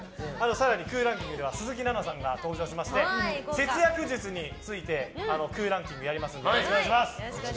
更に空欄キングでは鈴木奈々さんが登場しまして節約術について空欄キングやりますのでよろしくお願いします！